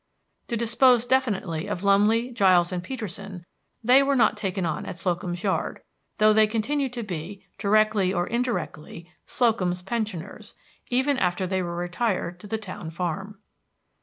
To dispose definitely of Lumley, Giles, and Peterson, they were not taken on at Slocum's Yard, though they continued to be, directly or indirectly, Slocum's pensioners, even after they were retired to the town farm.